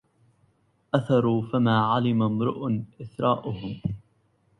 أثروا فما علم امرؤ إثراءهم